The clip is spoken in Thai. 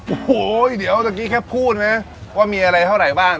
โอ้โหเดี๋ยวเมื่อกี้แค่พูดไหมว่ามีอะไรเท่าไหร่บ้าง